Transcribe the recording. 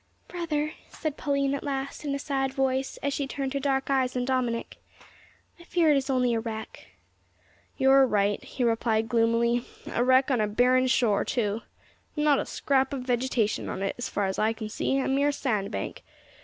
"Brother," said Pauline at last in a sad voice, as she turned her dark eyes on Dominick, "I fear it is only a wreck." "You are right," he replied gloomily; "a wreck on a barren shore, too. Not a scrap of vegetation on it, as far as I can see a mere sandbank.